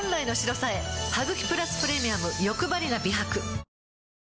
「ハグキプラスプレミアムよくばりな美白」